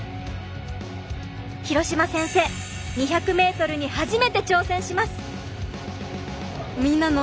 廣島先生２００ｍに初めて挑戦します！